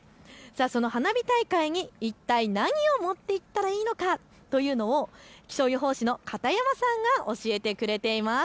その花火大会に一体何を持っていったらいいのか気象予報士の片山さんが教えてくれています。